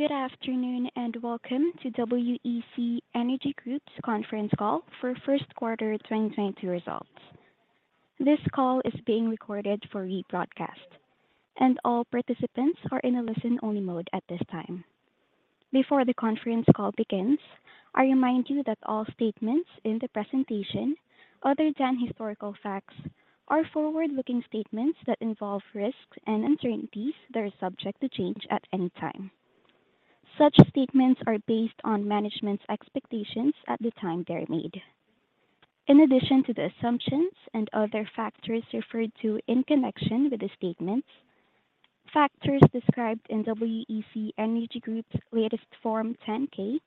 Good afternoon, and welcome to WEC Energy Group's conference call for first quarter 2022 results. This call is being recorded for rebroadcast, and all participants are in a listen-only mode at this time. Before the conference call begins, I remind you that all statements in the presentation, other than historical facts, are forward-looking statements that involve risks and uncertainties that are subject to change at any time. Such statements are based on management's expectations at the time they're made. In addition to the assumptions and other factors referred to in connection with the statements, factors described in WEC Energy Group's latest Form 10-K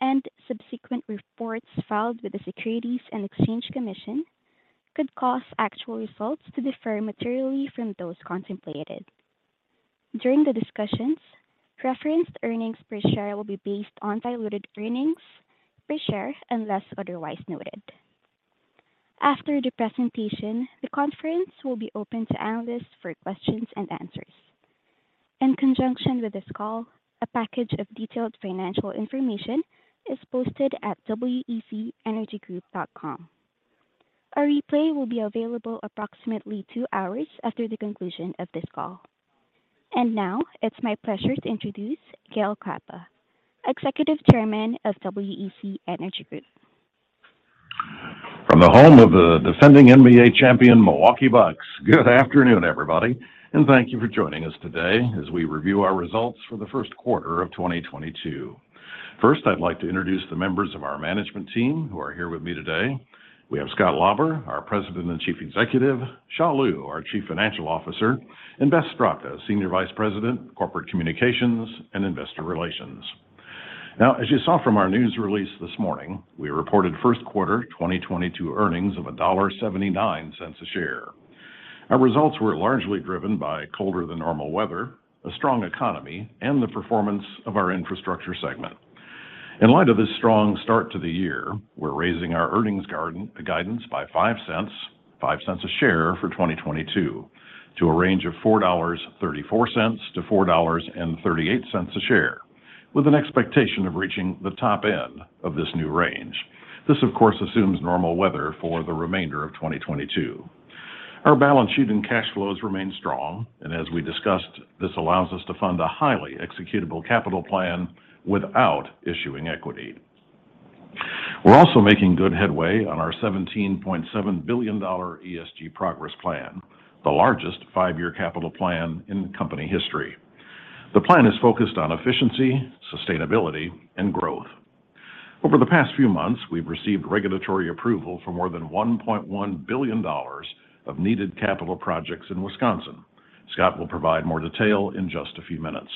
and subsequent reports filed with the Securities and Exchange Commission could cause actual results to differ materially from those contemplated. During the discussions, referenced earnings per share will be based on diluted earnings per share, unless otherwise noted. After the presentation, the conference will be open to analysts for questions and answers. In conjunction with this call, a package of detailed financial information is posted at wecenergygroup.com. A replay will be available approximately two hours after the conclusion of this call. Now it's my pleasure to introduce Gale Klappa, Executive Chairman of WEC Energy Group. From the home of the defending NBA champion Milwaukee Bucks, good afternoon, everybody, and thank you for joining us today as we review our results for the first quarter of 2022. First, I'd like to introduce the members of our management team who are here with me today. We have Scott Lauber, our President and Chief Executive, Xia Liu, our Chief Financial Officer, and Beth Straka, Senior Vice President, Corporate Communications and Investor Relations. Now, as you saw from our news release this morning, we reported first quarter 2022 earnings of $1.79 a share. Our results were largely driven by colder than normal weather, a strong economy, and the performance of our infrastructure segment. In light of this strong start to the year, we're raising our earnings guidance by $0.05 a share for 2022 to a range of $4.34-$4.38 a share, with an expectation of reaching the top end of this new range. This, of course, assumes normal weather for the remainder of 2022. Our balance sheet and cash flows remain strong, and as we discussed, this allows us to fund a highly executable capital plan without issuing equity. We're also making good headway on our $17.7 billion ESG Progress Plan, the largest five-year capital plan in company history. The plan is focused on efficiency, sustainability, and growth. Over the past few months, we've received regulatory approval for more than $1.1 billion of needed capital projects in Wisconsin. Scott will provide more detail in just a few minutes.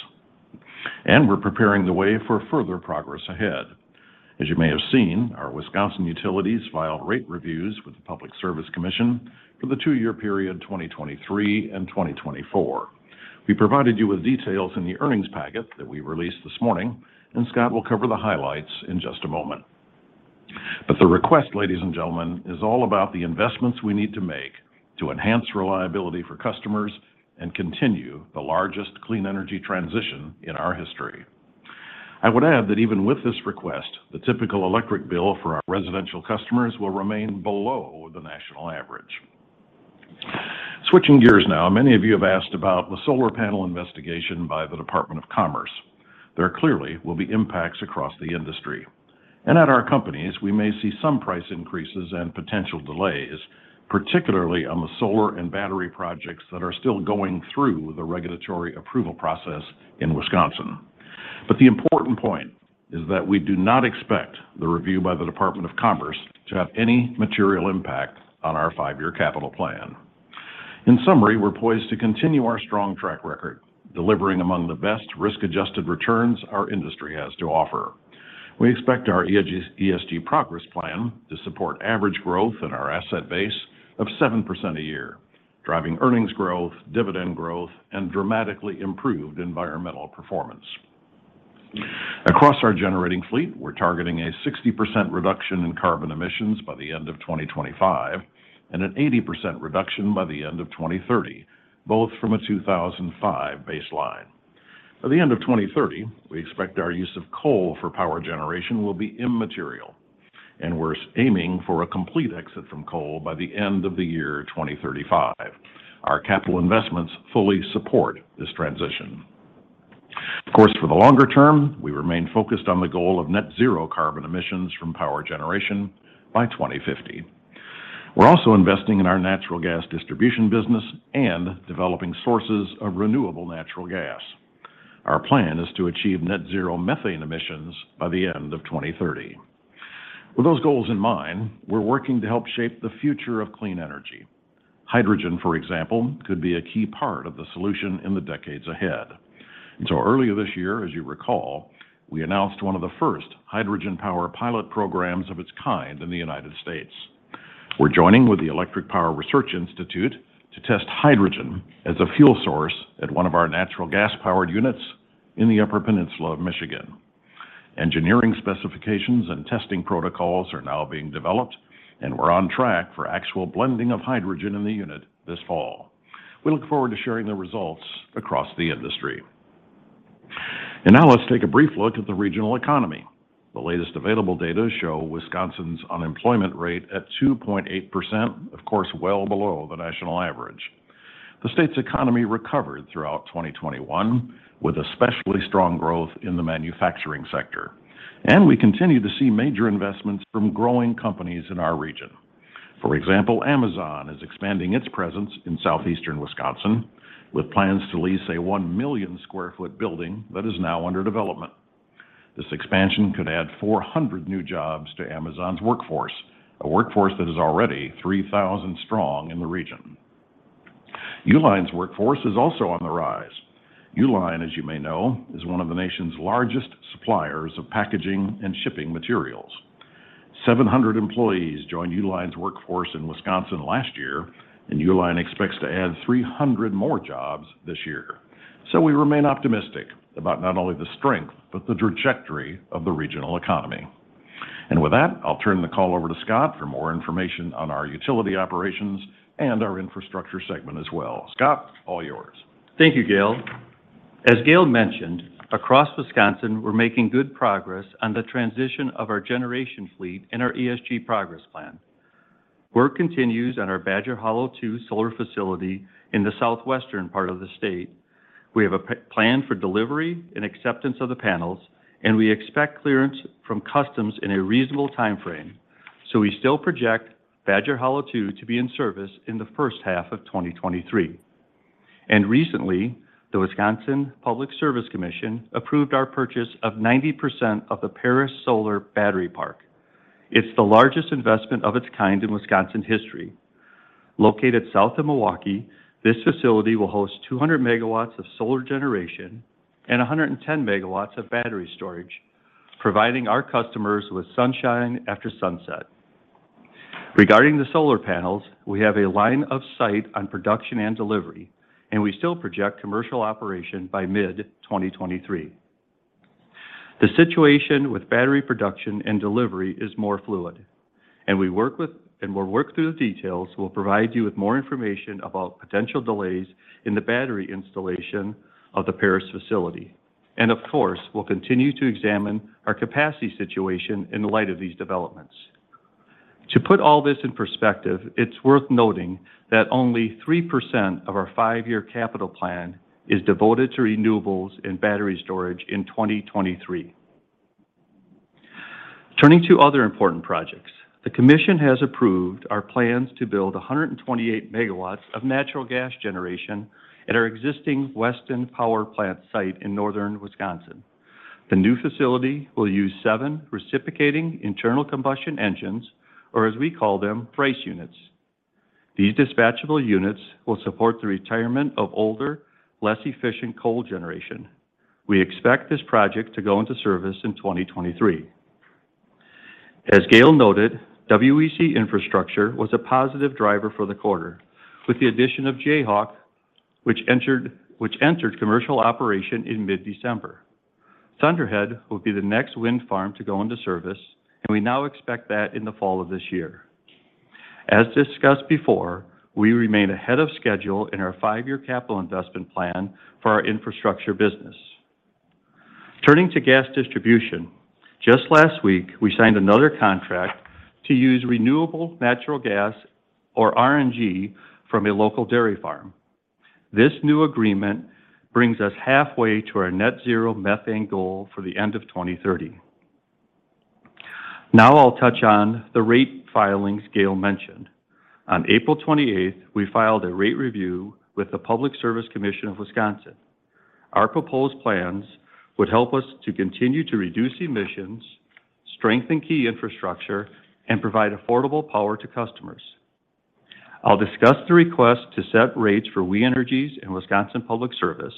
We're preparing the way for further progress ahead. As you may have seen, our Wisconsin utilities filed rate reviews with the Public Service Commission for the two-year period 2023 and 2024. We provided you with details in the earnings packet that we released this morning, and Scott will cover the highlights in just a moment. The request, ladies and gentlemen, is all about the investments we need to make to enhance reliability for customers and continue the largest clean energy transition in our history. I would add that even with this request, the typical electric bill for our residential customers will remain below the national average. Switching gears now, many of you have asked about the solar panel investigation by the Department of Commerce. There clearly will be impacts across the industry. At our companies, we may see some price increases and potential delays, particularly on the solar and battery projects that are still going through the regulatory approval process in Wisconsin. The important point is that we do not expect the review by the U.S. Department of Commerce to have any material impact on our five-year capital plan. In summary, we're poised to continue our strong track record, delivering among the best risk-adjusted returns our industry has to offer. We expect our ESG progress plan to support average growth in our asset base of 7% a year, driving earnings growth, dividend growth, and dramatically improved environmental performance. Across our generating fleet, we're targeting a 60% reduction in carbon emissions by the end of 2025 and an 80% reduction by the end of 2030, both from a 2005 baseline. By the end of 2030, we expect our use of coal for power generation will be immaterial, and we're aiming for a complete exit from coal by the end of the year 2035. Our capital investments fully support this transition. Of course, for the longer term, we remain focused on the goal of net zero carbon emissions from power generation by 2050. We're also investing in our natural gas distribution business and developing sources of renewable natural gas. Our plan is to achieve net zero methane emissions by the end of 2030. With those goals in mind, we're working to help shape the future of clean energy. Hydrogen, for example, could be a key part of the solution in the decades ahead. Earlier this year, as you recall, we announced one of the first hydrogen power pilot programs of its kind in the United States. We're joining with the Electric Power Research Institute to test hydrogen as a fuel source at one of our natural gas-powered units in the Upper Peninsula of Michigan. Engineering specifications and testing protocols are now being developed and we're on track for actual blending of hydrogen in the unit this fall. We look forward to sharing the results across the industry. Now let's take a brief look at the regional economy. The latest available data show Wisconsin's unemployment rate at 2.8%, of course, well below the national average. The state's economy recovered throughout 2021 with especially strong growth in the manufacturing sector. We continue to see major investments from growing companies in our region. For example, Amazon is expanding its presence in southeastern Wisconsin with plans to lease a 1 million sq ft building that is now under development. This expansion could add 400 new jobs to Amazon's workforce, a workforce that is already 3,000 strong in the region. Uline's workforce is also on the rise. Uline, as you may know, is one of the nation's largest suppliers of packaging and shipping materials. 700 employees joined Uline's workforce in Wisconsin last year, and Uline expects to add 300 more jobs this year. We remain optimistic about not only the strength but the trajectory of the regional economy. With that, I'll turn the call over to Scott for more information on our utility operations and our infrastructure segment as well. Scott, all yours. Thank you, Gale. As Gale mentioned, across Wisconsin, we're making good progress on the transition of our generation fleet and our ESG Progress Plan. Work continues on our Badger Hollow II solar facility in the southwestern part of the state. We have a plan for delivery and acceptance of the panels, and we expect clearance from customs in a reasonable timeframe. We still project Badger Hollow II to be in service in the first half of 2023. Recently, the Public Service Commission of Wisconsin approved our purchase of 90% of the Paris Solar Battery Park. It's the largest investment of its kind in Wisconsin history. Located south of Milwaukee, this facility will host 200 MW of solar generation and 110 MW of battery storage, providing our customers with sunshine after sunset. Regarding the solar panels, we have a line of sight on production and delivery, and we still project commercial operation by mid-2023. The situation with battery production and delivery is more fluid, and we'll work through the details. We'll provide you with more information about potential delays in the battery installation of the Paris facility. Of course, we'll continue to examine our capacity situation in light of these developments. To put all this in perspective, it's worth noting that only 3% of our five-year capital plan is devoted to renewables and battery storage in 2023. Turning to other important projects, the commission has approved our plans to build 128 megawatts of natural gas generation at our existing Weston power plant site in northern Wisconsin. The new facility will use seven reciprocating internal combustion engines, or as we call them, RICE units. These dispatchable units will support the retirement of older, less efficient coal generation. We expect this project to go into service in 2023. As Gale noted, WEC Infrastructure was a positive driver for the quarter with the addition of Jayhawk, which entered commercial operation in mid-December. Thunderhead will be the next wind farm to go into service, and we now expect that in the fall of this year. As discussed before, we remain ahead of schedule in our five-year capital investment plan for our infrastructure business. Turning to gas distribution, just last week, we signed another contract to use renewable natural gas or RNG from a local dairy farm. This new agreement brings us halfway to our net zero methane goal for the end of 2030. Now I'll touch on the rate filings Gale mentioned. On April 28, we filed a rate review with the Public Service Commission of Wisconsin. Our proposed plans would help us to continue to reduce emissions, strengthen key infrastructure, and provide affordable power to customers. I'll discuss the request to set rates for We Energies and Wisconsin Public Service.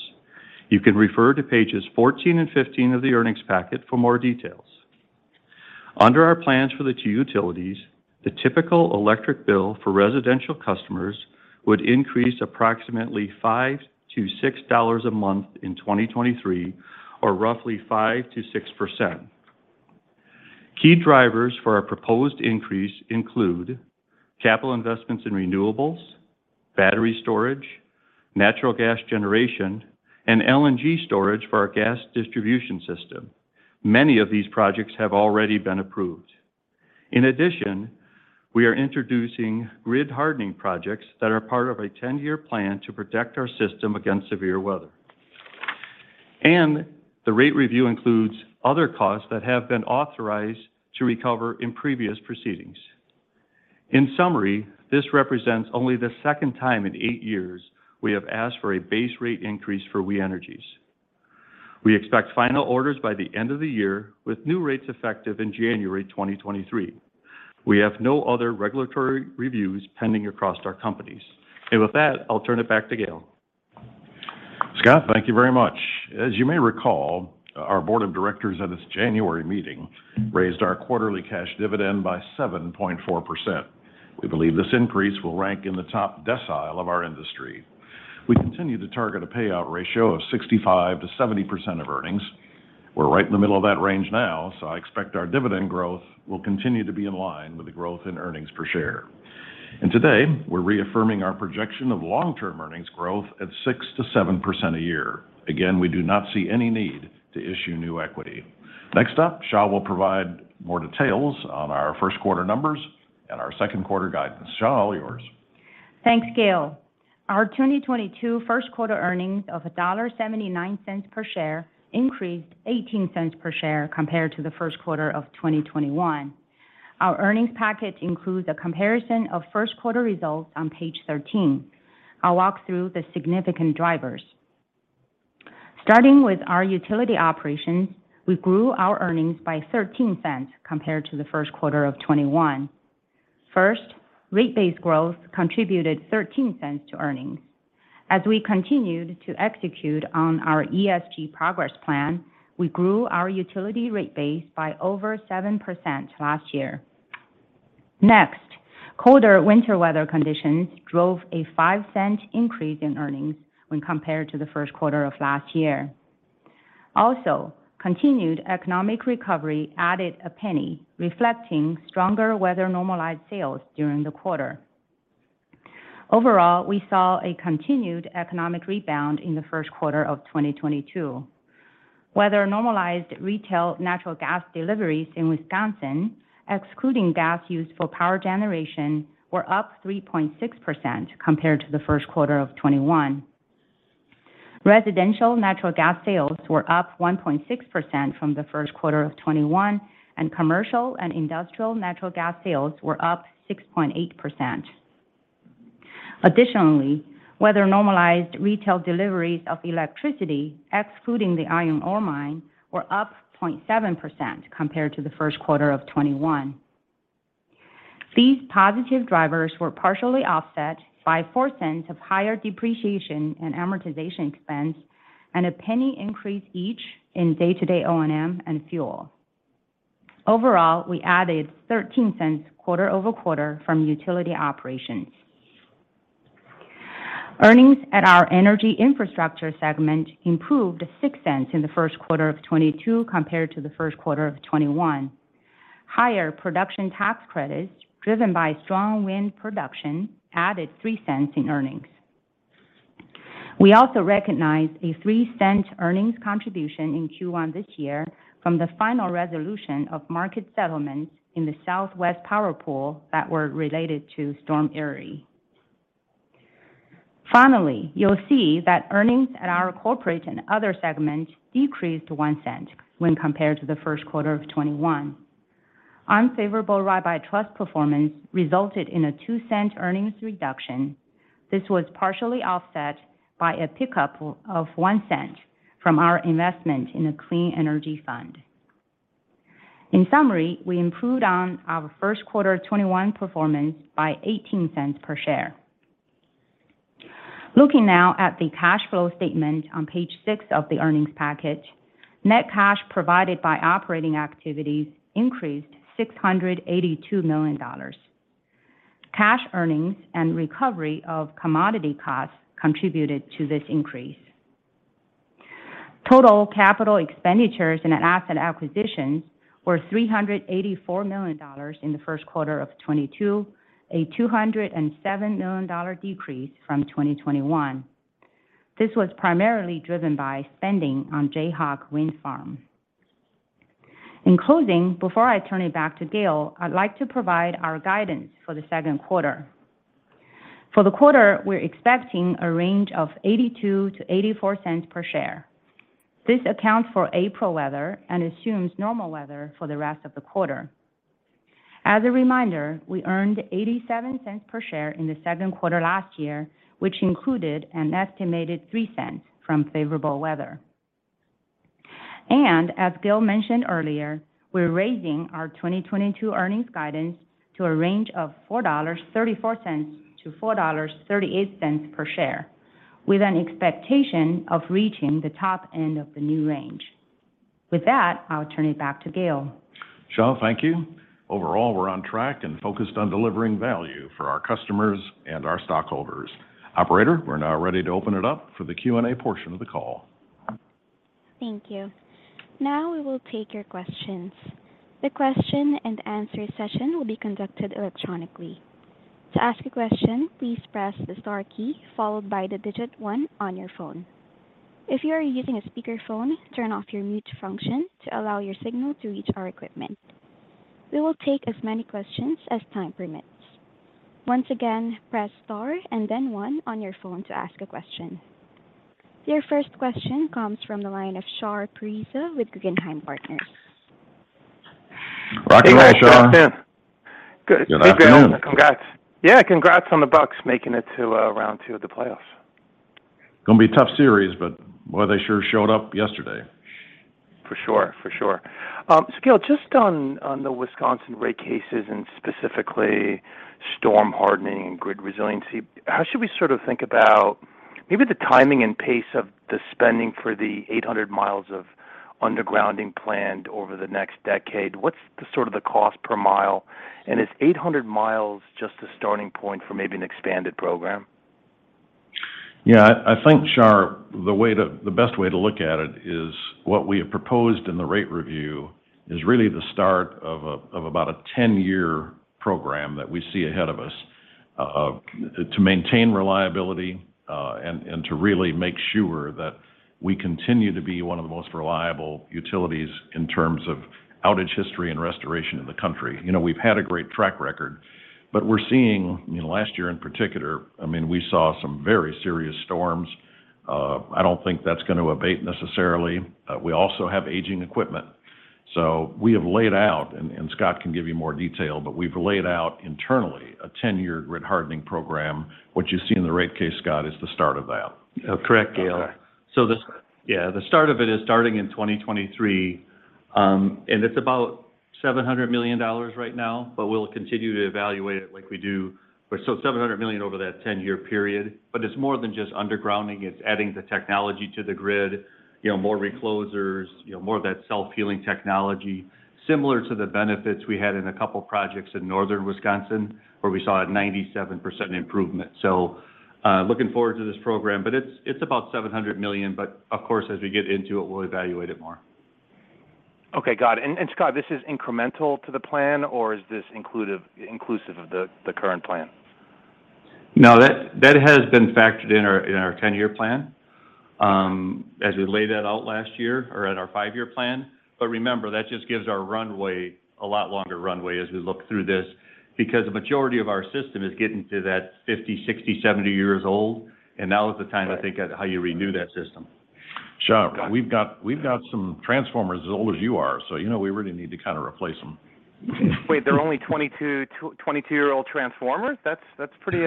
You can refer to pages 14 and 15 of the earnings packet for more details. Under our plans for the two utilities, the typical electric bill for residential customers would increase approximately $5-$6 a month in 2023, or roughly 5%-6%. Key drivers for our proposed increase include capital investments in renewables, battery storage, natural gas generation, and LNG storage for our gas distribution system. Many of these projects have already been approved. In addition, we are introducing grid hardening projects that are part of a ten-year plan to protect our system against severe weather. The rate review includes other costs that have been authorized to recover in previous proceedings. In summary, this represents only the second time in eight years we have asked for a base rate increase for We Energies. We expect final orders by the end of the year, with new rates effective in January 2023. We have no other regulatory reviews pending across our companies. With that, I'll turn it back to Gale. Scott, thank you very much. As you may recall, our board of directors at its January meeting raised our quarterly cash dividend by 7.4%. We believe this increase will rank in the top decile of our industry. We continue to target a payout ratio of 65%-70% of earnings. We're right in the middle of that range now, so I expect our dividend growth will continue to be in line with the growth in earnings per share. Today, we're reaffirming our projection of long-term earnings growth at 6%-7% a year. Again, we do not see any need to issue new equity. Next up, Xia will provide more details on our first quarter numbers and our second quarter guidance. Xia, all yours. Thanks, Gale. Our 2022 first quarter earnings of $1.79 per share increased 18 cents per share compared to the first quarter of 2021. Our earnings package includes a comparison of first quarter results on page 13. I'll walk through the significant drivers. Starting with our utility operations, we grew our earnings by 13 cents compared to the first quarter of 2021. First, rate-based growth contributed 13 cents to earnings. As we continued to execute on our ESG Progress Plan, we grew our utility rate base by over 7% last year. Next, colder winter weather conditions drove a 5-cent increase in earnings when compared to the first quarter of last year. Also, continued economic recovery added a penny, reflecting stronger weather-normalized sales during the quarter. Overall, we saw a continued economic rebound in the first quarter of 2022. Weather-normalized retail natural gas deliveries in Wisconsin, excluding gas used for power generation, were up 3.6% compared to the first quarter of 2021. Residential natural gas sales were up 1.6% from the first quarter of 2021, and commercial and industrial natural gas sales were up 6.8%. Additionally, weather-normalized retail deliveries of electricity, excluding the iron ore mine, were up 0.7% compared to the first quarter of 2021. These positive drivers were partially offset by $0.04 of higher depreciation and amortization expense and a $0.01 increase each in day-to-day O&M and fuel. Overall, we added $0.13 quarter over quarter from utility operations. Earnings at our energy infrastructure segment improved $0.06 in the first quarter of 2022 compared to the first quarter of 2021. Higher production tax credits, driven by strong wind production, added $0.03 in earnings. We also recognized a $0.03 earnings contribution in Q1 this year from the final resolution of market settlements in the Southwest Power Pool that were related to Storm Uri. Finally, you'll see that earnings at our corporate and other segment decreased to $0.01 when compared to the first quarter of 2021. Unfavorable Rabbi Trust performance resulted in a $0.02 earnings reduction. This was partially offset by a pickup of $0.01 from our investment in a clean energy fund. In summary, we improved on our first quarter 2021 performance by $0.18 per share. Looking now at the cash flow statement on page 6 of the earnings package, net cash provided by operating activities increased $682 million. Cash earnings and recovery of commodity costs contributed to this increase. Total capital expenditures and asset acquisitions were $384 million in the first quarter of 2022, a $207 million decrease from 2021. This was primarily driven by spending on Jayhawk Wind Farm. In closing, before I turn it back to Gale, I'd like to provide our guidance for the second quarter. For the quarter, we're expecting a range of $0.82-$0.84 per share. This accounts for April weather and assumes normal weather for the rest of the quarter. As a reminder, we earned $0.87 per share in the second quarter last year, which included an estimated $0.03 from favorable weather. As Gale mentioned earlier, we're raising our 2022 earnings guidance to a range of $4.34-$4.38 per share, with an expectation of reaching the top end of the new range. With that, I'll turn it back to Gale. Xia, thank you. Overall, we're on track and focused on delivering value for our customers and our stockholders. Operator, we're now ready to open it up for the Q&A portion of the call. Thank you. Now we will take your questions. The question and answer session will be conducted electronically. To ask a question, please press the star key followed by the digit one on your phone. If you are using a speakerphone, turn off your mute function to allow your signal to reach our equipment. We will take as many questions as time permits. Once again, press star and then one on your phone to ask a question. Your first question comes from the line of Shar Pourreza with Guggenheim Partners. Rock and roll, Shar. Hey guys, how's it been? Good. Good afternoon. Hey Gale, congrats. Yeah, congrats on the Bucks making it to round two of the playoffs. Gonna be a tough series, but boy, they sure showed up yesterday. For sure. Gale, just on the Wisconsin rate cases and specifically storm hardening and grid resiliency, how should we sort of think about maybe the timing and pace of the spending for the 800 miles of undergrounding planned over the next decade. What's the sort of cost per mile? And is 800 miles just a starting point for maybe an expanded program? Yeah. I think, Shar, the best way to look at it is what we have proposed in the rate review is really the start of about a 10-year program that we see ahead of us, to maintain reliability, and to really make sure that we continue to be one of the most reliable utilities in terms of outage history and restoration in the country. You know, we've had a great track record, but we're seeing, you know, last year in particular, I mean, we saw some very serious storms. I don't think that's going to abate necessarily. We also have aging equipment. So we have laid out, and Scott can give you more detail, but we've laid out internally a 10-year grid hardening program. What you see in the rate case, Scott, is the start of that. Correct, Gale. Okay. So the- Yeah Yeah, the start of it is starting in 2023, and it's about $700 million right now, but we'll continue to evaluate it like we do for. Seven hundred million over that ten-year period. It's more than just undergrounding, it's adding the technology to the grid, you know, more reclosers, you know, more of that self-healing technology. Similar to the benefits we had in a couple projects in Northern Wisconsin, where we saw a 97% improvement. Looking forward to this program. It's about $700 million. Of course, as we get into it, we'll evaluate it more. Okay. Got it. Scott, this is incremental to the plan or is this inclusive of the current plan? No, that has been factored in our ten-year plan, as we laid that out last year or at our five-year plan. Remember, that just gives our runway a lot longer runway as we look through this, because the majority of our system is getting to that 50, 60, 70 years old, and now is the time, I think, at how you renew that system. Shar, we've got some transformers as old as you are, so you know, we really need to kinda replace them. Wait, they're only 22-year-old transformers? That's pretty.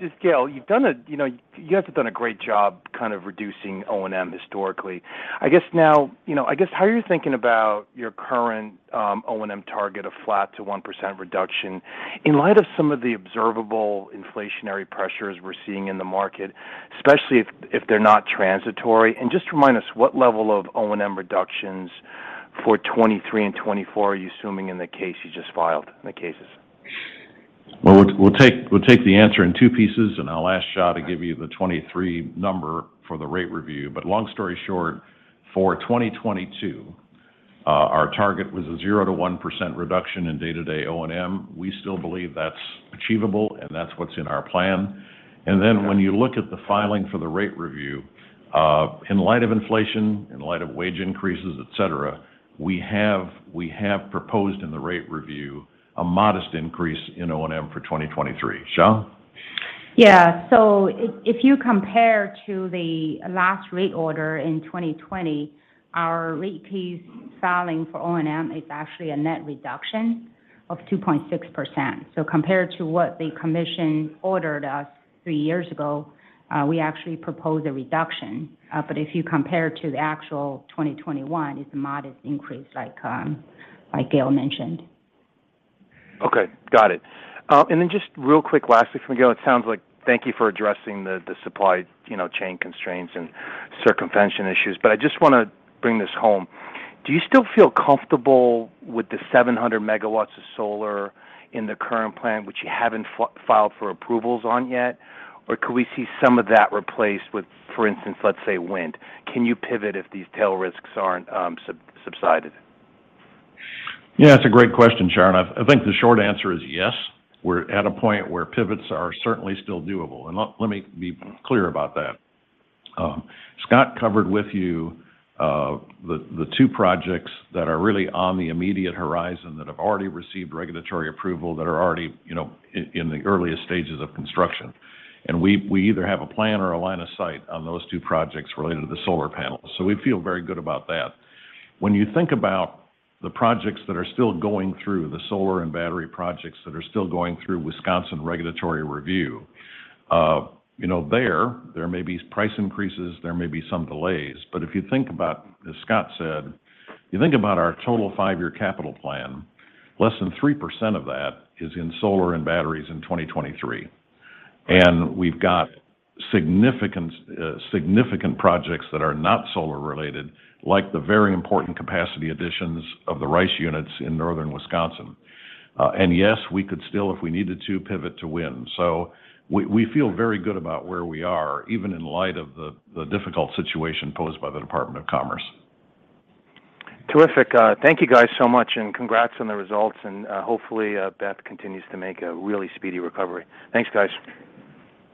Just Gale, you've done a, you know, you guys have done a great job kind of reducing O&M historically. I guess now, you know, I guess how are you thinking about your current O&M target of flat to 1% reduction in light of some of the observable inflationary pressures we're seeing in the market, especially if they're not transitory? Just remind us what level of O&M reductions for 2023 and 2024 are you assuming in the case you just filed, in the cases? Well, we'll take the answer in two pieces, and I'll ask Xia to give you the 2023 number for the rate review. Long story short, for 2022, our target was a 0%-1% reduction in day-to-day O&M. We still believe that's achievable, and that's what's in our plan. Then when you look at the filing for the rate review, in light of inflation, in light of wage increases, et cetera, we have proposed in the rate review a modest increase in O&M for 2023. Xia? Yeah. If you compare to the last rate order in 2020, our rate case filing for O&M is actually a net reduction of 2.6%. Compared to what the commission ordered us three years ago, we actually proposed a reduction. If you compare to the actual 2021, it's a modest increase like Gale mentioned. Okay. Got it. Then just real quick lastly from Gale, it sounds like thank you for addressing the supply, you know, chain constraints and circumvention issues, but I just wanna bring this home. Do you still feel comfortable with the 700 megawatts of solar in the current plan, which you haven't filed for approvals on yet? Or could we see some of that replaced with, for instance, let's say, wind? Can you pivot if these tail risks aren't subsided? Yeah, it's a great question, Shar, and I think the short answer is yes. We're at a point where pivots are certainly still doable. Let me be clear about that. Scott covered with you the two projects that are really on the immediate horizon that have already received regulatory approval, that are already, you know, in the earliest stages of construction. We either have a plan or a line of sight on those two projects related to the solar panels. We feel very good about that. When you think about the projects that are still going through, the solar and battery projects that are still going through Wisconsin regulatory review, you know, there may be price increases, there may be some delays. If you think about, as Scott said, you think about our total five-year capital plan, less than 3% of that is in solar and batteries in 2023. We've got significant projects that are not solar related, like the very important capacity additions of the RICE units in Northern Wisconsin. Yes, we could still, if we needed to, pivot to wind. We feel very good about where we are, even in light of the difficult situation posed by the U.S. Department of Commerce. Terrific. Thank you guys so much, and congrats on the results and, hopefully, Beth continues to make a really speedy recovery. Thanks, guys.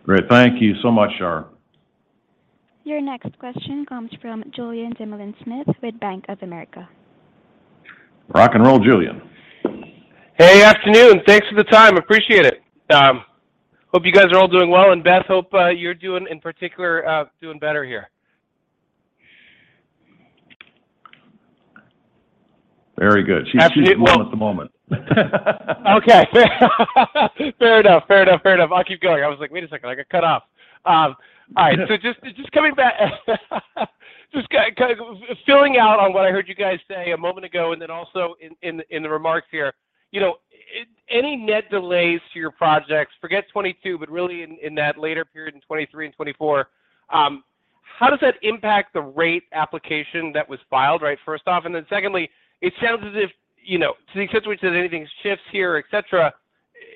Great. Thank you so much, Shar. Your next question comes from Julien Dumoulin-Smith with Bank of America. Rock and roll, Julien. Hey, afternoon. Thanks for the time. Appreciate it. Hope you guys are all doing well. Beth, hope you're doing, in particular, better here. Very good. She's one with the moment. Okay. Fair enough. I'll keep going. I was like, "Wait a second. I got cut off." All right. Just coming back, kind of filling out on what I heard you guys say a moment ago, and then also in the remarks here. You know, any net delays to your projects, forget 2022, but really in that later period in 2023 and 2024, how does that impact the rate application that was filed, right? First off, and then secondly, it sounds as if, you know, to the extent to which anything shifts here, et cetera,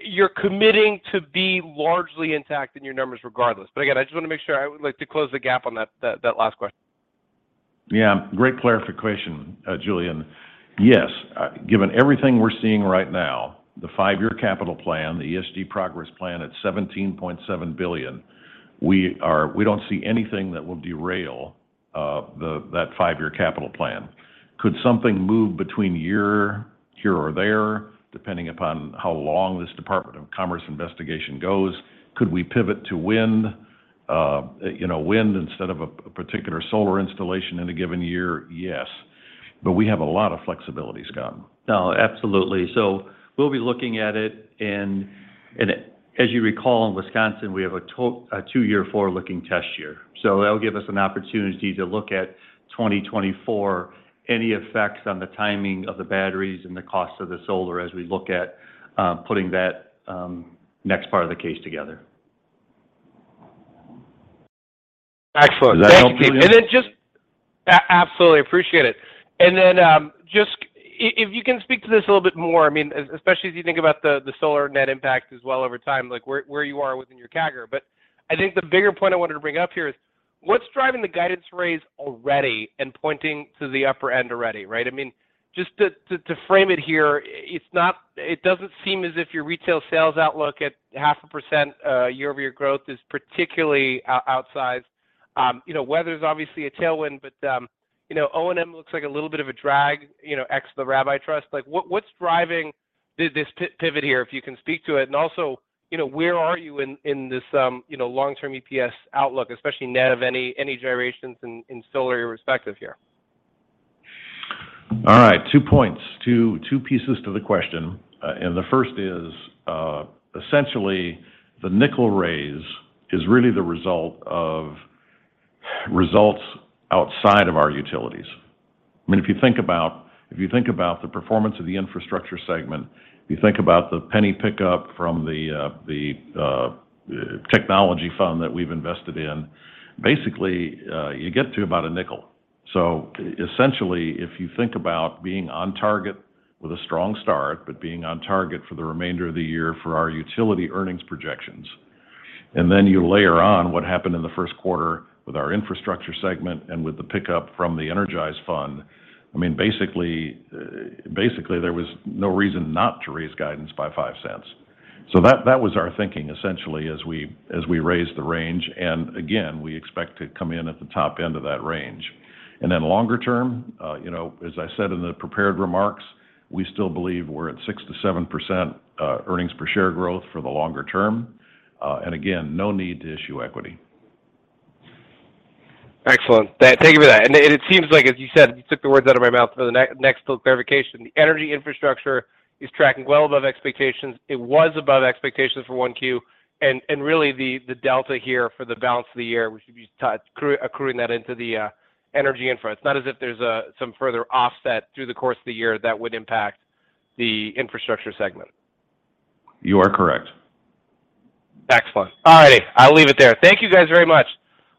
you're committing to be largely intact in your numbers regardless. Again, I just want to make sure. I would like to close the gap on that last question. Great clarification, Julien. Yes, given everything we're seeing right now, the five-year capital plan, the ESG Progress Plan at $17.7 billion, we don't see anything that will derail that five-year capital plan. Could something move between here or there, depending upon how long this U.S. Department of Commerce investigation goes? Could we pivot to wind, you know, wind instead of a particular solar installation in a given year? Yes. But we have a lot of flexibility, Scott. No, absolutely. We'll be looking at it. As you recall, in Wisconsin, we have a two-year forward-looking test year. That'll give us an opportunity to look at 2024, any effects on the timing of the batteries and the cost of the solar as we look at putting that next part of the case together. Excellent. Thank you. Does that help, Julien? Absolutely. Appreciate it. Then, just if you can speak to this a little bit more, I mean, especially as you think about the solar net impact as well over time, like where you are within your CAGR. But I think the bigger point I wanted to bring up here is what's driving the guidance raise already and pointing to the upper end already, right? I mean, just to frame it here, it's not, it doesn't seem as if your retail sales outlook at 0.5% year-over-year growth is particularly outside. You know, weather's obviously a tailwind, but, you know, O&M looks like a little bit of a drag, you know, ex the Rabbi Trust. Like, what's driving this pivot here, if you can speak to it? Also, you know, where are you in this, you know, long-term EPS outlook, especially net of any gyrations in solar irrespective here? All right, two points. Two pieces to the question. The first is essentially the nickel raise is really the result of results outside of our utilities. I mean, if you think about the performance of the infrastructure segment, if you think about the penny pickup from the technology fund that we've invested in, basically you get to about a nickel. Essentially, if you think about being on target with a strong start, but being on target for the remainder of the year for our utility earnings projections, and then you layer on what happened in the first quarter with our infrastructure segment and with the pickup from the Energize Ventures, I mean, basically there was no reason not to raise guidance by $0.05. That was our thinking, essentially, as we raised the range. Again, we expect to come in at the top end of that range. Longer term, you know, as I said in the prepared remarks, we still believe we're at 6%-7% earnings per share growth for the longer term. Again, no need to issue equity. Excellent. Thank you for that. It seems like, as you said, you took the words out of my mouth for the next little clarification. The energy infrastructure is tracking well above expectations. It was above expectations for one Q. Really the delta here for the balance of the year, which you just accruing that into the energy infra. It's not as if there's some further offset through the course of the year that would impact the infrastructure segment. You are correct. Excellent. All righty, I'll leave it there. Thank you guys very much.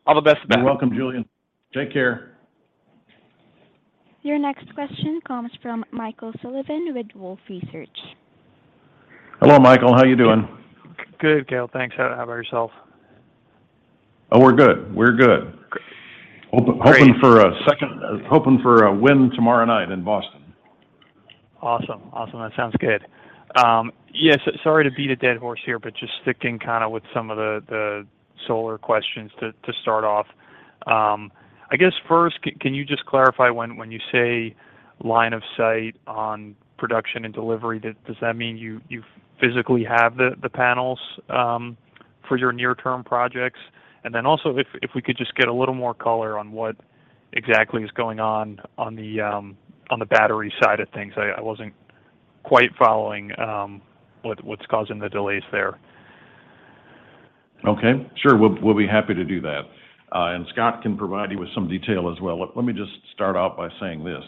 All the best. You're welcome, Julien. Take care. Your next question comes from Michael Sullivan with Wolfe Research. Hello, Michael, how are you doing? Good, Gale. Thanks. How about yourself? Oh, we're good. We're good. Great. Hoping for a win tomorrow night in Boston. Awesome. That sounds good. Yes, sorry to beat a dead horse here, but just sticking kind of with some of the solar questions to start off. I guess first, can you just clarify when you say line of sight on production and delivery, does that mean you physically have the panels for your near-term projects? Then also, if we could just get a little more color on what exactly is going on on the battery side of things. I wasn't quite following what's causing the delays there. Okay, sure. We'll be happy to do that. Scott can provide you with some detail as well. Let me just start out by saying this.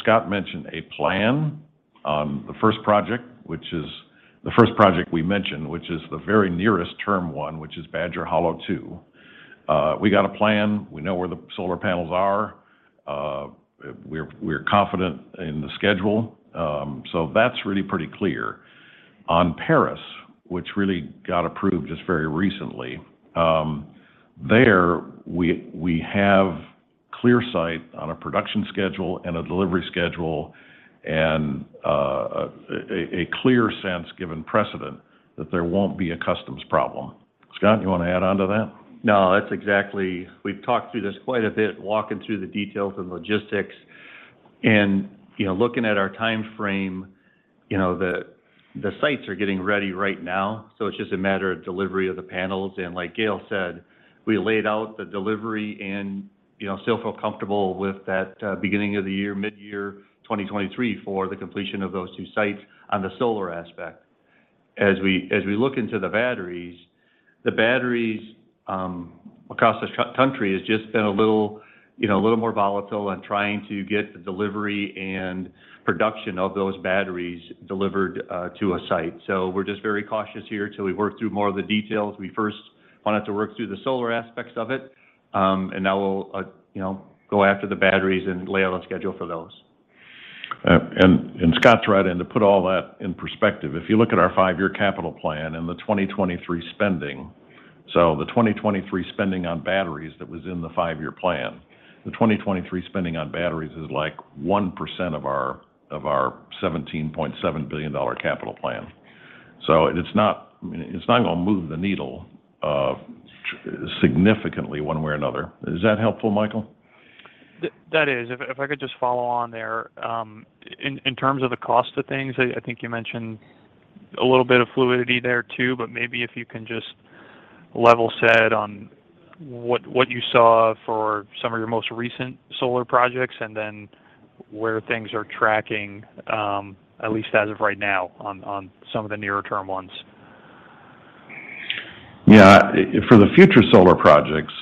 Scott mentioned a plan on the first project, which is the first project we mentioned, which is the very nearest term one, which is Badger Hollow II. We got a plan. We know where the solar panels are. We're confident in the schedule. That's really pretty clear. On Paris, which really got approved just very recently, there we have clear sight on a production schedule and a delivery schedule and a clear sense given precedent that there won't be a customs problem. Scott, you want to add on to that? No, that's exactly. We've talked through this quite a bit, walking through the details and logistics. Looking at our timeframe, you know, the sites are getting ready right now. So it's just a matter of delivery of the panels. Like Gale said, we laid out the delivery and, you know, still feel comfortable with that, beginning of the year, midyear 2023 for the completion of those two sites on the solar aspect. As we look into the batteries, the batteries across the country has just been a little, you know, a little more volatile and trying to get the delivery and production of those batteries delivered to a site. So we're just very cautious here till we work through more of the details. We first wanted to work through the solar aspects of it, and now we'll, you know, go after the batteries and lay out a schedule for those. Scott's right. To put all that in perspective, if you look at our five-year capital plan and the 2023 spending, the 2023 spending on batteries that was in the five-year plan, the 2023 spending on batteries is, like, 1% of our $17.7 billion capital plan. It's not, I mean, it's not gonna move the needle significantly one way or another. Is that helpful, Michael? That is. If I could just follow on there, in terms of the cost of things, I think you mentioned a little bit of fluidity there too, but maybe if you can just level set on what you saw for some of your most recent solar projects, and then where things are tracking, at least as of right now on some of the nearer term ones. Yeah. For the future solar projects,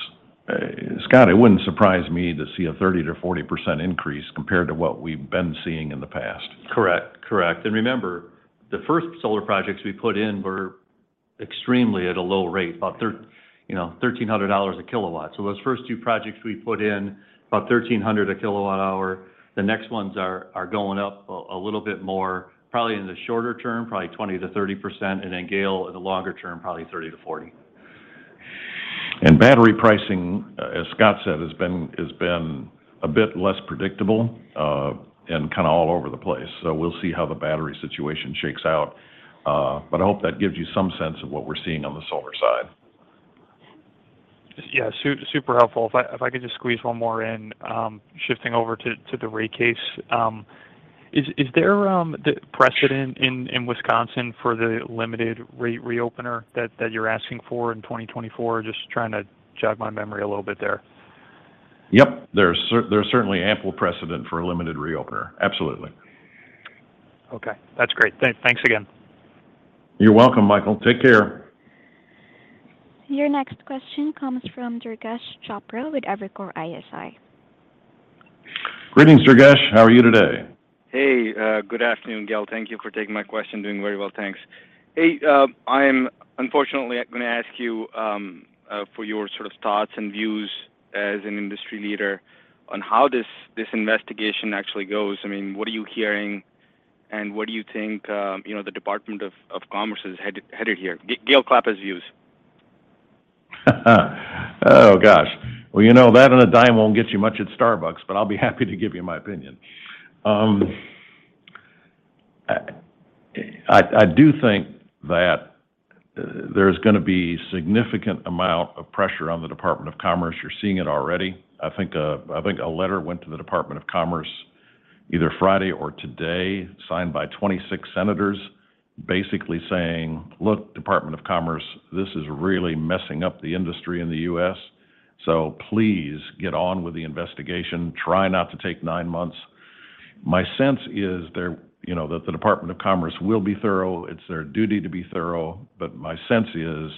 Scott, it wouldn't surprise me to see a 30%-40% increase compared to what we've been seeing in the past. Correct. Remember, the first solar projects we put in were extremely at a low rate, about, you know, $1,300/kW. Those first two projects we put in, about $1,300/kWh. The next ones are going up a little bit more, probably in the shorter term, probably 20%-30%. Gale, in the longer term, probably 30%-40%. Battery pricing, as Scott said, has been a bit less predictable, and kinda all over the place. We'll see how the battery situation shakes out. I hope that gives you some sense of what we're seeing on the solar side. Yeah. Super helpful. If I could just squeeze one more in, shifting over to the rate case, is there the precedent in Wisconsin for the limited rate reopener that you're asking for in 2024? Just trying to jog my memory a little bit there. Yep, there's certainly ample precedent for a limited reopener. Absolutely. Okay. That's great. Thanks again. You're welcome, Michael. Take care. Your next question comes from Durgesh Chopra with Evercore ISI. Greetings, Durgesh. How are you today? Hey. Good afternoon, Gale. Thank you for taking my question. Doing very well, thanks. Hey, I am unfortunately gonna ask you for your sort of thoughts and views as an industry leader on how this investigation actually goes. I mean, what are you hearing, and what do you think, you know, the Department of Commerce is headed here? Oh, gosh. Well, you know, that and a dime won't get you much at Starbucks, but I'll be happy to give you my opinion. I do think that there's gonna be significant amount of pressure on the U.S. Department of Commerce. You're seeing it already. I think a letter went to the U.S. Department of Commerce either Friday or today, signed by 26 senators, basically saying, "Look, U.S. Department of Commerce, this is really messing up the industry in the U.S., so please get on with the investigation. Try not to take nine months." My sense is there, you know, that the U.S. Department of Commerce will be thorough. It's their duty to be thorough. My sense is,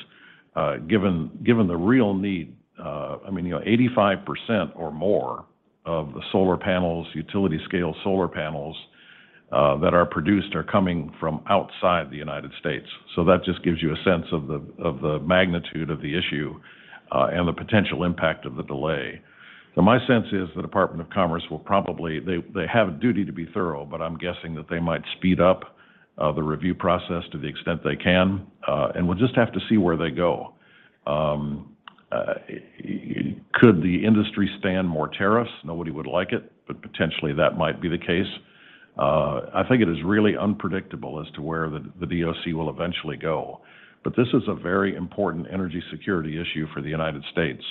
given the real need, I mean, you know, 85% or more of the solar panels, utility scale solar panels, that are produced are coming from outside the United States. That just gives you a sense of the magnitude of the issue, and the potential impact of the delay. My sense is the Department of Commerce will probably. They have a duty to be thorough, but I'm guessing that they might speed up the review process to the extent they can. We'll just have to see where they go. Could the industry stand more tariffs? Nobody would like it, but potentially that might be the case. I think it is really unpredictable as to where the DOC will eventually go, but this is a very important energy security issue for the United States.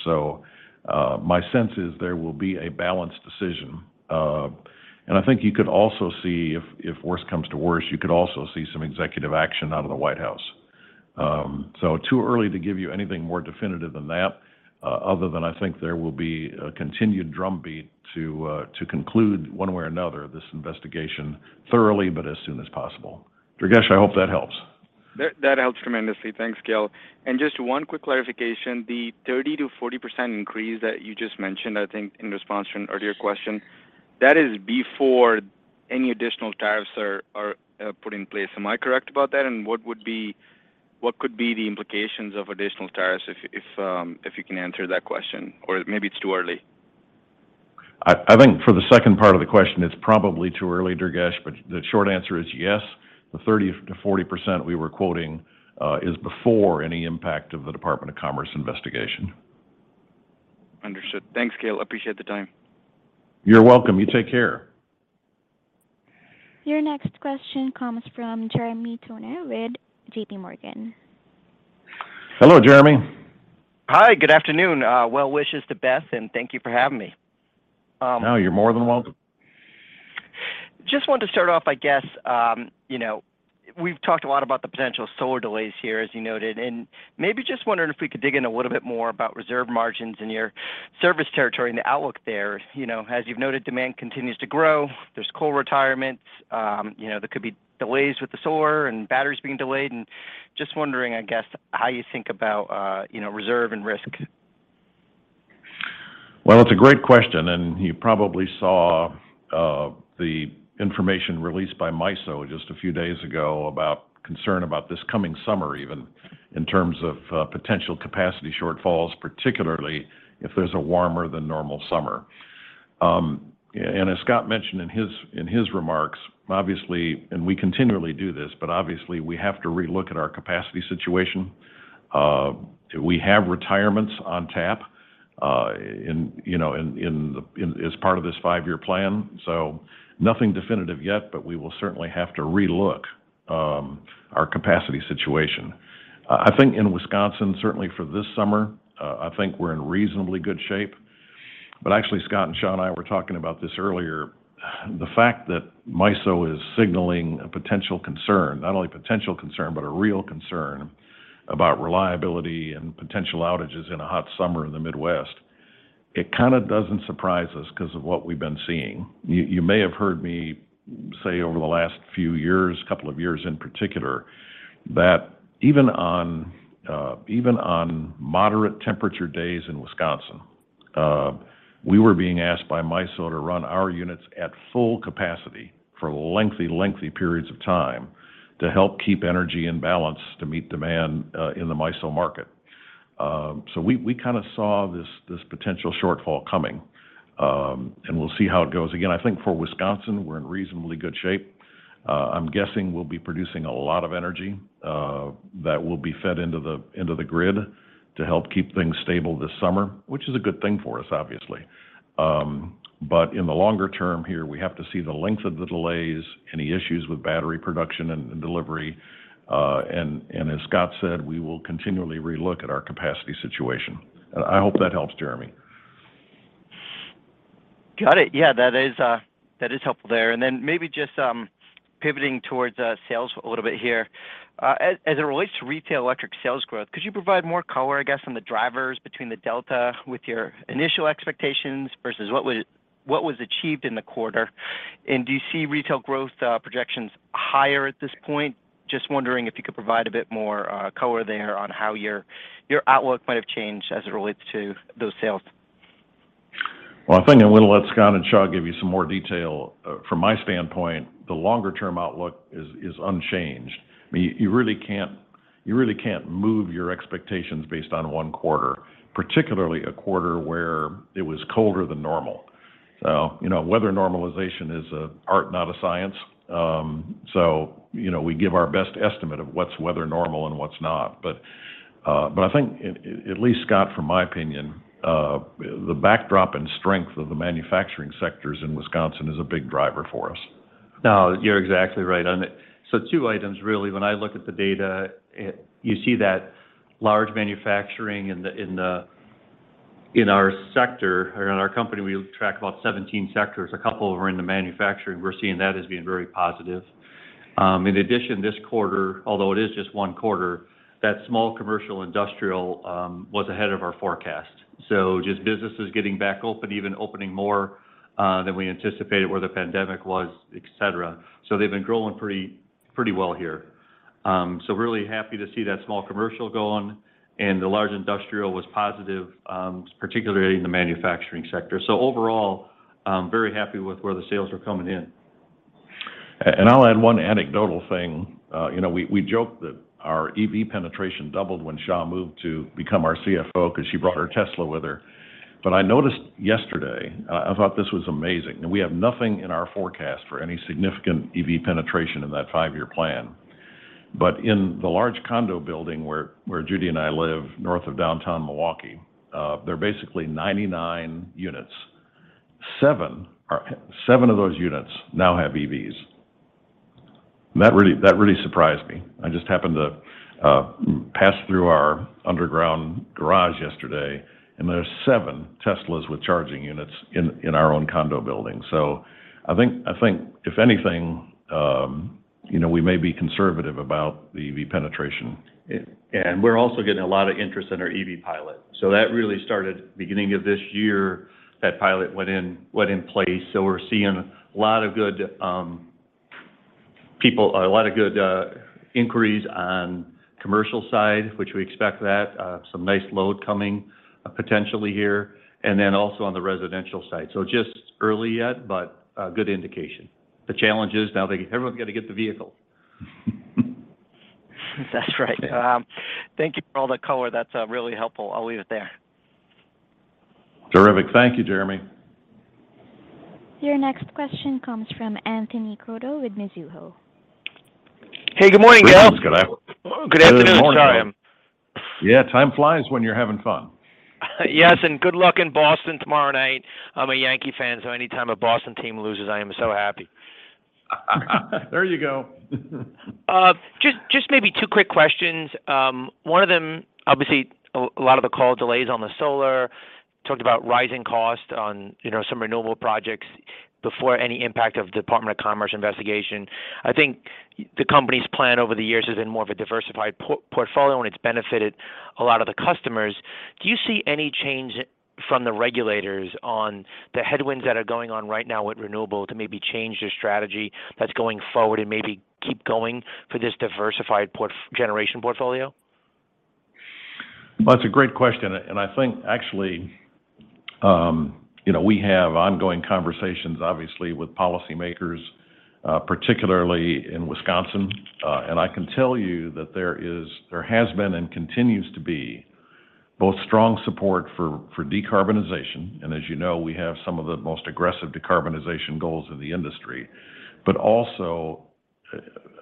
My sense is there will be a balanced decision. I think you could also see if worse comes to worse, you could also see some executive action out of the White House. Too early to give you anything more definitive than that, other than I think there will be a continued drumbeat to conclude one way or another this investigation thoroughly, but as soon as possible. Durgesh, I hope that helps. That helps tremendously. Thanks, Gale. Just one quick clarification, the 30%-40% increase that you just mentioned, I think in response to an earlier question, that is before any additional tariffs are put in place. Am I correct about that? What could be the implications of additional tariffs if you can answer that question, or maybe it's too early? I think for the second part of the question, it's probably too early, Durgesh, but the short answer is yes. The 30%-40% we were quoting is before any impact of the U.S. Department of Commerce investigation. Understood. Thanks, Gale. Appreciate the time. You're welcome. You take care. Your next question comes from Jeremy Tonet with JPMorgan. Hello, Jeremy. Hi. Good afternoon. Well wishes to Beth, and thank you for having me. No, you're more than welcome. Just wanted to start off, I guess, you know, we've talked a lot about the potential solar delays here, as you noted. Maybe just wondering if we could dig in a little bit more about reserve margins in your service territory and the outlook there. You know, as you've noted, demand continues to grow. There's coal retirements. You know, there could be delays with the solar and batteries being delayed. Just wondering, I guess, how you think about, you know, reserve and risk. Well, it's a great question, and you probably saw the information released by MISO just a few days ago about concern about this coming summer even in terms of potential capacity shortfalls, particularly if there's a warmer than normal summer. As Scott mentioned in his remarks, obviously, and we continually do this, but obviously we have to relook at our capacity situation. We have retirements on tap, you know, in as part of this five-year plan. Nothing definitive yet, but we will certainly have to relook our capacity situation. I think in Wisconsin, certainly for this summer, I think we're in reasonably good shape. Actually, Scott and Shar and I were talking about this earlier. The fact that MISO is signaling a potential concern, but a real concern about reliability and potential outages in a hot summer in the Midwest, it kind of doesn't surprise us because of what we've been seeing. You may have heard me say over the last few years, couple of years in particular, that even on moderate temperature days in Wisconsin, we were being asked by MISO to run our units at full capacity for lengthy periods of time to help keep energy in balance to meet demand in the MISO market. We kind of saw this potential shortfall coming, and we'll see how it goes. Again, I think for Wisconsin, we're in reasonably good shape. I'm guessing we'll be producing a lot of energy that will be fed into the grid to help keep things stable this summer, which is a good thing for us, obviously. In the longer term here, we have to see the length of the delays, any issues with battery production and delivery, and as Scott said, we will continually relook at our capacity situation. I hope that helps, Jeremy. Got it. Yeah, that is helpful there. Then maybe just pivoting towards sales a little bit here. As it relates to retail electric sales growth, could you provide more color, I guess, on the drivers between the delta with your initial expectations versus what was achieved in the quarter? Do you see retail growth projections higher at this point? Just wondering if you could provide a bit more color there on how your outlook might have changed as it relates to those sales. Well, I think I'm gonna let Scott and Shar give you some more detail. From my standpoint, the longer term outlook is unchanged. I mean, you really can't move your expectations based on one quarter, particularly a quarter where it was colder than normal. You know, weather normalization is an art, not a science. You know, we give our best estimate of what's weather normal and what's not. I think at least, Scott, from my opinion, the backdrop and strength of the manufacturing sectors in Wisconsin is a big driver for us. No, you're exactly right. Two items, really, when I look at the data, you see that large manufacturing in the in our sector or in our company, we track about 17 sectors. A couple were in the manufacturing. We're seeing that as being very positive. In addition, this quarter, although it is just one quarter, that small commercial industrial was ahead of our forecast. Just businesses getting back open, even opening more than we anticipated with the pandemic, et cetera. They've been growing pretty well here. Really happy to see that small commercial going, and the large industrial was positive, particularly in the manufacturing sector. Overall, very happy with where the sales are coming in. I'll add one anecdotal thing. You know, we joke that our EV penetration doubled when Shar moved to become our CFO 'cause she brought her Tesla with her. I noticed yesterday, I thought this was amazing, and we have nothing in our forecast for any significant EV penetration in that five-year plan. In the large condo building where Judy and I live north of downtown Milwaukee, there are basically 99 units. Seven of those units now have EVs. That really surprised me. I just happened to pass through our underground garage yesterday, and there's seven Teslas with charging units in our own condo building. I think if anything, you know, we may be conservative about the EV penetration. We're also getting a lot of interest in our EV pilot. That really started beginning of this year. That pilot went in place. We're seeing a lot of good people, a lot of good inquiries on commercial side, which we expect that some nice load coming potentially here, and then also on the residential side. Just early yet, but a good indication. The challenge is now everyone's got to get the vehicle. That's right. Thank you for all the color. That's really helpful. I'll leave it there. Terrific. Thank you, Jeremy. Your next question comes from Anthony Crowdell with Mizuho. Hey, good morning, Gale. Good afternoon. Good afternoon. Sorry. Good morning. Yeah, time flies when you're having fun. Yes, good luck in Boston tomorrow night. I'm a Yankee fan, so anytime a Boston team loses, I am so happy. There you go. Just maybe two quick questions. One of them, obviously, a lot of the cost delays on the solar. Talked about rising costs on, you know, some renewable projects before any impact of U.S. Department of Commerce investigation. I think the company's plan over the years has been more of a diversified portfolio, and it's benefited a lot of the customers. Do you see any change from the regulators on the headwinds that are going on right now with renewables to maybe change your strategy that's going forward and maybe keep going for this diversified generation portfolio? Well, it's a great question, and I think actually, you know, we have ongoing conversations, obviously, with policymakers, particularly in Wisconsin. I can tell you that there has been and continues to be both strong support for decarbonization, and as you know, we have some of the most aggressive decarbonization goals in the industry, but also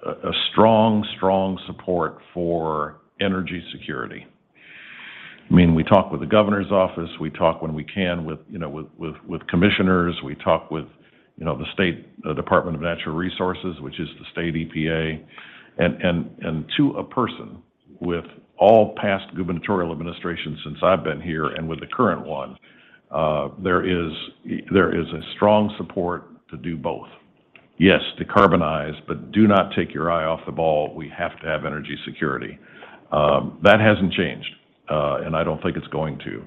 a strong support for energy security. I mean, we talk with the governor's office, we talk when we can with, you know, commissioners. We talk with, you know, the state, the Department of Natural Resources, which is the state EPA. To a person with all past gubernatorial administrations since I've been here and with the current one, there is a strong support to do both. Yes, decarbonize, but do not take your eye off the ball. We have to have energy security. That hasn't changed, and I don't think it's going to.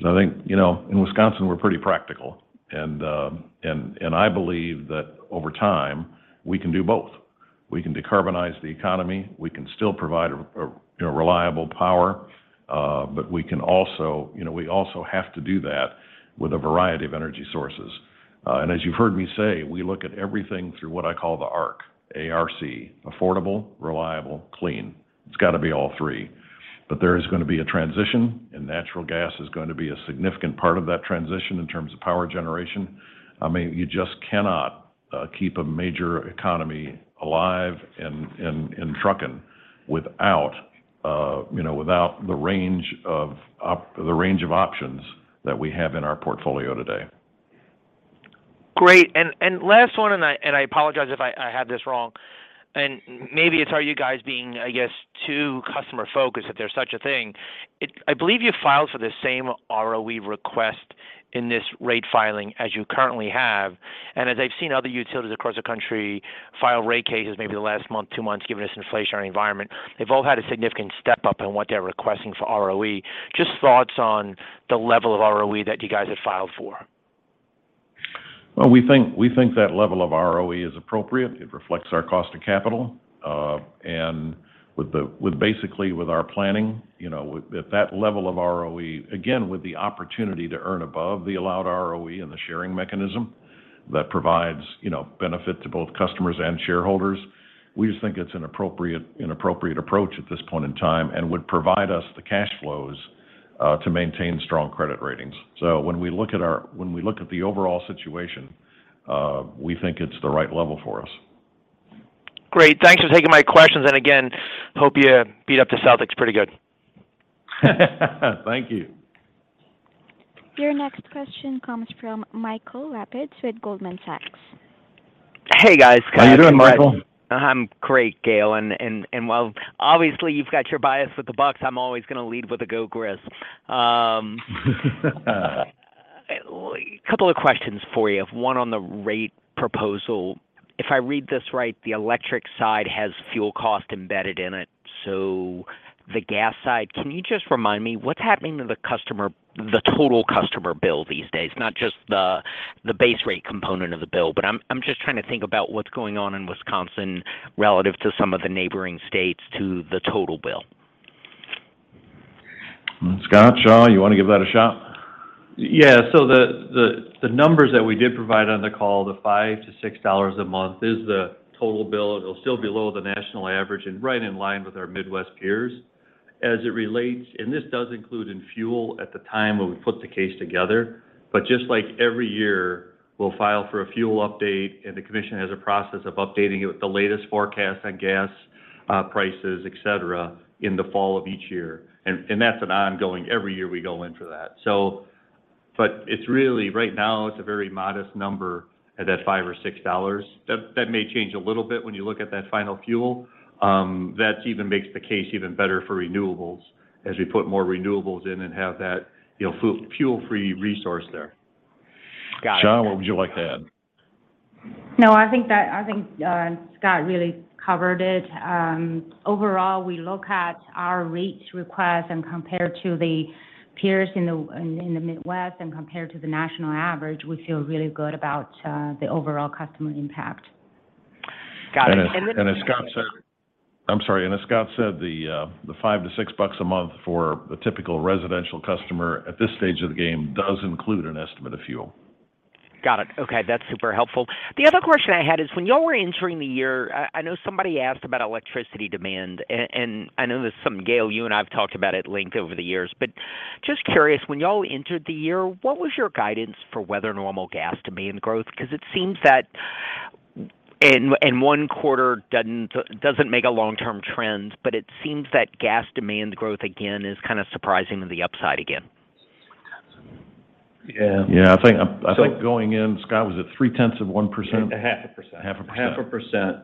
'Cause I think, you know, in Wisconsin, we're pretty practical and I believe that over time, we can do both. We can decarbonize the economy, we can still provide a, you know, reliable power, but we can also, you know, we also have to do that with a variety of energy sources. And as you've heard me say, we look at everything through what I call the ARC, A-R-C, affordable, reliable, clean. It's got to be all three. There is going to be a transition, and natural gas is going to be a significant part of that transition in terms of power generation. I mean, you just cannot keep a major economy alive and trucking without, you know, without the range of options that we have in our portfolio today. Great. Last one, I apologize if I had this wrong, and maybe it's all you guys being, I guess, too customer-focused, if there's such a thing. I believe you filed for the same ROE request in this rate filing as you currently have. I've seen other utilities across the country file rate cases maybe the last month, two months, given this inflationary environment, they've all had a significant step up in what they're requesting for ROE. Just thoughts on the level of ROE that you guys have filed for. Well, we think that level of ROE is appropriate. It reflects our cost of capital, and with basically our planning, you know, with that level of ROE, again, with the opportunity to earn above the allowed ROE and the sharing mechanism that provides, you know, benefit to both customers and shareholders. We just think it's an appropriate approach at this point in time and would provide us the cash flows to maintain strong credit ratings. When we look at the overall situation, we think it's the right level for us. Great. Thanks for taking my questions. Again, hope you beat up the Celtics pretty good. Thank you. Your next question comes from Michael Lapides with Goldman Sachs. Hey, guys. How you doing, Michael? I'm great, Gale. While obviously you've got your bias with the Bucks, I'm always gonna lead with the Go Griz. A couple of questions for you. One on the rate proposal. If I read this right, the electric side has fuel cost embedded in it, so the gas side, can you just remind me what's happening to the customer, the total customer bill these days, not just the base rate component of the bill? I'm just trying to think about what's going on in Wisconsin relative to some of the neighboring states to the total bill. Scott, Xia, you want to give that a shot? Yeah. The numbers that we did provide on the call, the $5-$6 a month is the total bill. It'll still be below the national average and right in line with our Midwest peers. As it relates, this does include fuel at the time when we put the case together. But just like every year, we'll file for a fuel update, and the commission has a process of updating it with the latest forecast on gas, prices, etc., in the fall of each year. That's an ongoing every year we go in for that. It's really right now, it's a very modest number at that $5 or $6. That may change a little bit when you look at that final fuel. That even makes the case even better for renewables as we put more renewables in and have that, you know, fuel-free resource there. Got it. Xia, what would you like to add? No, I think Scott really covered it. Overall, we look at our rates request and compared to the peers in the Midwest and compared to the national average, we feel really good about the overall customer impact. Got it. As Scott said, the $5-$6 a month for a typical residential customer at this stage of the game does include an estimate of fuel. Got it. Okay, that's super helpful. The other question I had is when y'all were entering the year, I know somebody asked about electricity demand, and I know there's some, Gale, you and I have talked about at length over the years. Just curious, when y'all entered the year, what was your guidance for weather normal gas demand growth? Because it seems that and one quarter doesn't make a long-term trend, but it seems that gas demand growth again is kind of surprising in the upside again. Yeah. Yeah. I think going in, Scott, was it 0.3%? 0.5%. 0.5%.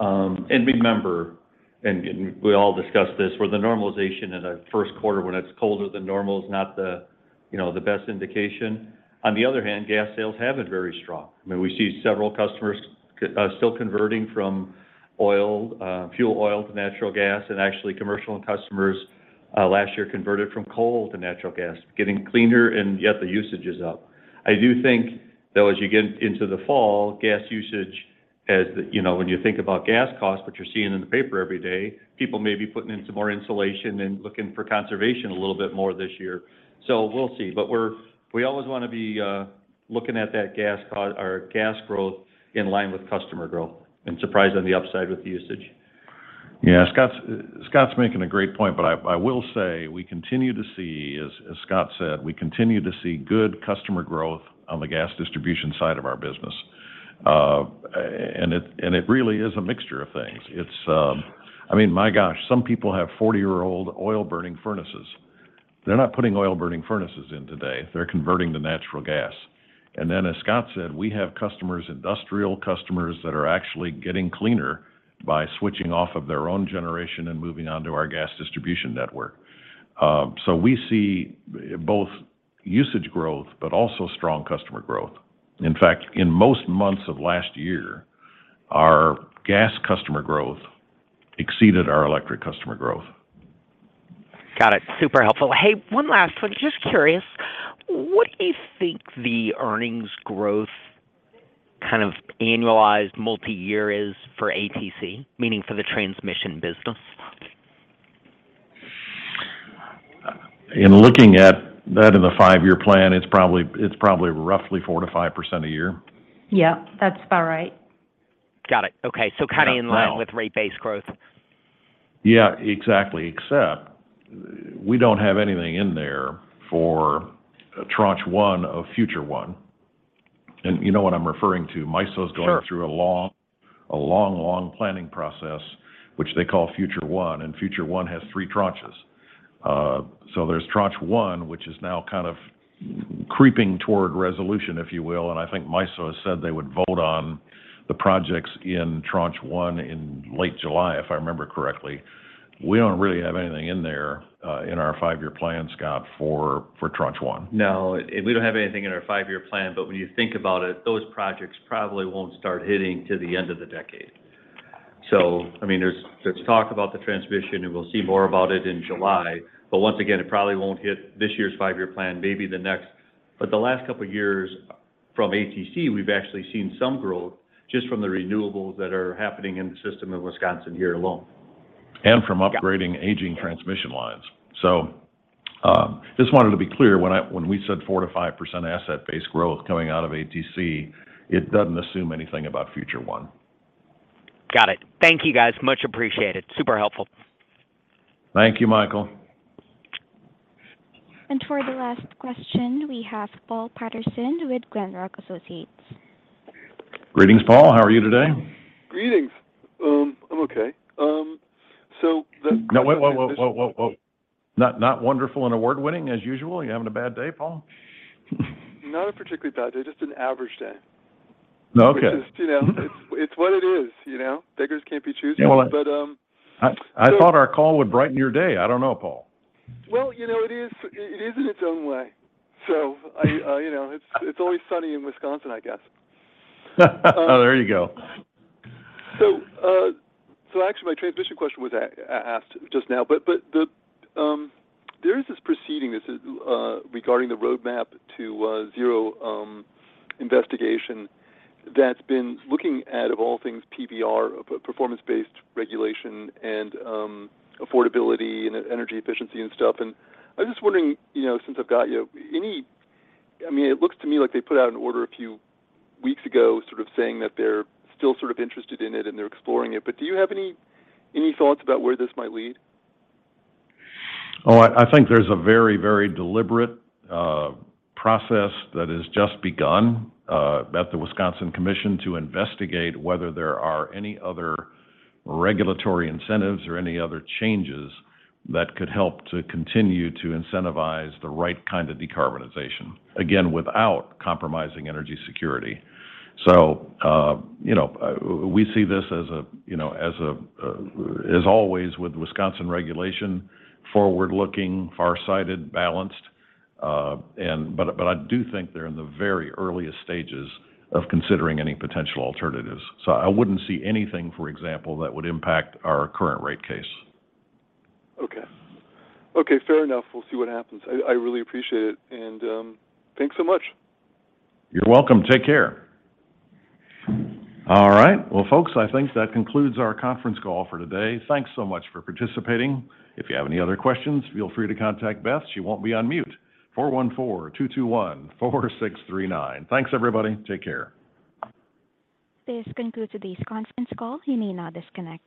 0.5%. Remember, we all discussed this, where the normalization in a first quarter when it's colder than normal is not the best indication. On the other hand, gas sales have been very strong. I mean, we see several customers still converting from oil, fuel oil to natural gas, and actually commercial customers last year converted from coal to natural gas, getting cleaner and yet the usage is up. I do think, though, as you get into the fall, gas usage. As you know, when you think about gas costs, what you're seeing in the paper every day, people may be putting in some more insulation and looking for conservation a little bit more this year. We'll see. We're always wanna be looking at that gas growth in line with customer growth, and surprised on the upside with usage. Yeah. Scott's making a great point, but I will say we continue to see good customer growth on the gas distribution side of our business, as Scott said. It really is a mixture of things. I mean, my gosh, some people have 40-year-old oil-burning furnaces. They're not putting oil-burning furnaces in today. They're converting to natural gas. As Scott said, we have customers, industrial customers, that are actually getting cleaner by switching off of their own generation and moving on to our gas distribution network. We see both usage growth, but also strong customer growth. In fact, in most months of last year, our gas customer growth exceeded our electric customer growth. Got it. Super helpful. Hey, one last one. Just curious, what do you think the earnings growth, kind of annualized multi-year, is for ATC? Meaning for the transmission business. In looking at that in the five-year plan, it's probably roughly 4%-5% a year. Yeah, that's about right. Got it. Okay. Yeah. Kind of in line with rate-based growth. Yeah, exactly. Except we don't have anything in there for Tranche 1 of Future 1. You know what I'm referring to. Sure. MISO's going through a long planning process which they call Future 1, and Future 1 has three tranches. There's Tranche 1, which is now kind of creeping toward resolution, if you will. I think MISO has said they would vote on the projects in Tranche 1 in late July, if I remember correctly. We don't really have anything in there in our five-year plan, Scott, for Tranche 1. No. We don't have anything in our five-year plan, but when you think about it, those projects probably won't start hitting till the end of the decade. I mean, there's talk about the transmission, and we'll see more about it in July. Once again, it probably won't hit this year's five-year plan, maybe the next. The last couple years from ATC, we've actually seen some growth just from the renewables that are happening in the system in Wisconsin here alone. from upgrading aging transmission lines. Just wanted to be clear, when we said 4%-5% asset-based growth coming out of ATC, it doesn't assume anything about Future 1. Got it. Thank you, guys. Much appreciated. Super helpful. Thank you, Michael. For the last question, we have Paul Patterson with Glenrock Associates. Greetings, Paul. How are you today? Greetings. I'm okay. Now, wait, whoa. Not wonderful and award-winning as usual? You having a bad day, Paul? Not a particularly bad day, just an average day. Okay. Which is, you know, it's what it is, you know. Beggars can't be choosers. Yeah, well. But, um- I thought our call would brighten your day. I don't know, Paul. Well, you know, it is in its own way. It's always sunny in Wisconsin, I guess. There you go. Actually, my transmission question was asked just now, but there is this proceeding regarding the roadmap to zero investigation that's been looking at, of all things, PBR, performance-based regulation, and affordability and energy efficiency and stuff. I'm just wondering, you know, since I've got you, I mean, it looks to me like they put out an order a few weeks ago sort of saying that they're still sort of interested in it and they're exploring it, but do you have any thoughts about where this might lead? I think there's a very, very deliberate process that has just begun at the Wisconsin Commission to investigate whether there are any other regulatory incentives or any other changes that could help to continue to incentivize the right kind of decarbonization. Again, without compromising energy security. You know, we see this as, you know, as always with Wisconsin regulation, forward-looking, farsighted, balanced. I do think they're in the very earliest stages of considering any potential alternatives. I wouldn't see anything, for example, that would impact our current rate case. Okay. Okay, fair enough. We'll see what happens. I really appreciate it and thanks so much. You're welcome. Take care. All right. Well, folks, I think that concludes our conference call for today. Thanks so much for participating. If you have any other questions, feel free to contact Beth. She won't be on mute. 414-221-4639. Thanks, everybody. Take care. This concludes today's conference call. You may now disconnect.